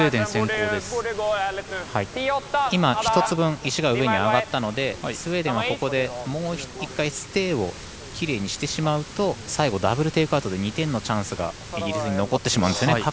１つ分、石が上に上がったのでスウェーデンはここでもう１回ステイをきれいにしてしまうと最後ダブル・テイクアウトで２点のチャンスがイギリスに残ってしまうんですね。